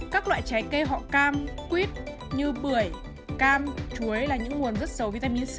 các loại trái cây họ cam quýt như bưởi cam chuối là những nguồn rất sầu vitamin c